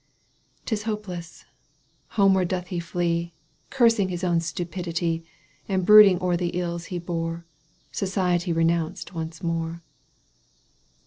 'Tis hopeless ! Homeward doth he flee Cursing his own stupidity. And brooding o'er the ills he bore, Society renounced once more.